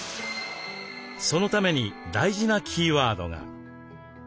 そのために大事なキーワードが。